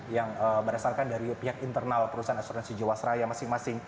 yang berdasarkan dari pihak internal perusahaan asuransi jawa seraya masing masing